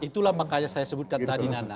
itulah makanya saya sebutkan tadi nana